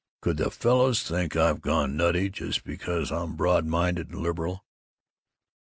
Could the fellows think I've gone nutty just because I'm broad minded and liberal?